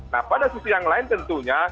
nah pada sisi yang lain tentunya